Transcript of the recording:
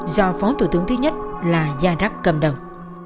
do phó tổ tướng thứ nhất là gia đắc cầm đồng